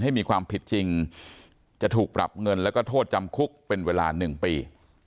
ให้มีความผิดจริงจะถูกปรับเงินแล้วก็โทษจำคุกเป็นเวลา๑ปี